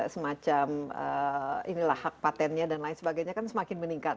semacam inilah hak patentnya dan lain sebagainya kan semakin meningkat